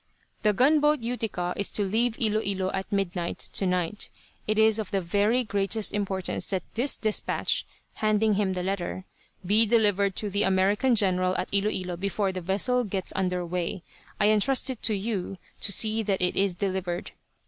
"The gunboat Utica is to leave Ilo Ilo at midnight, tonight. It is of the very greatest importance that this dispatch," handing him the letter, "be delivered to the American general at Ilo Ilo before the vessel gets under way. I entrust it to you, to see that it is delivered.